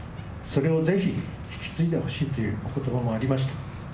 それをぜひ引き継いでほしいというお言葉もありました。